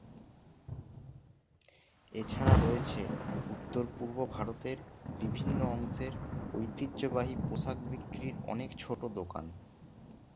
এছাড়া রয়েছে উত্তর-পূর্ব ভারতের বিভিন্ন অংশের ঐতিহ্যবাহী পোশাক বিক্রির অনেক ছোট দোকান।